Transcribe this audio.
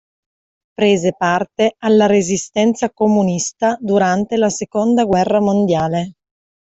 Prese parte alla resistenza comunista durante la seconda guerra mondiale.